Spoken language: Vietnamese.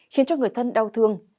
khiến cho người thân đau thương